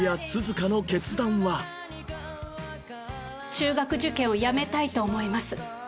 中学受験をやめたいと思います。